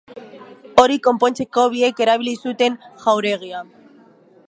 Hori konpontzeko biek erabili zuten jauregia.